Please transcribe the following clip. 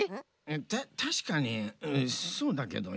たしかにそうだけどよう。